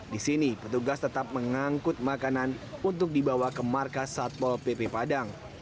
di sini petugas tetap mengangkut makanan untuk dibawa ke markas satpol pp padang